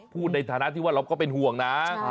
พูดในฐานะที่ว่าเราก็เป็นห่วงนะ